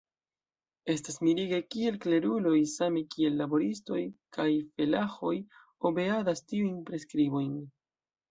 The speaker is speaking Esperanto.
Estas mirige, kiel kleruloj same kiel laboristoj kaj felaĥoj obeadas tiujn preskribojn.